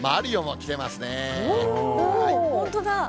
本当だ。